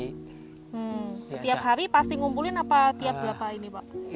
hmm setiap hari pasti ngumpulin apa tiap berapa ini pak